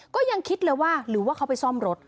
ก็ยังคิดเลยว่าหรือว่าเขาไปซ่อมรถ